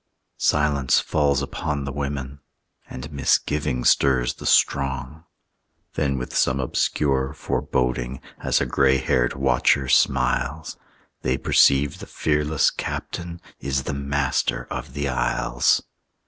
Silence falls upon the women. And misgiving stirs the strong. Then with some obscure foreboding, As a gray haired watcher smiles, They perceive the fearless captain Is the Master of the Isles.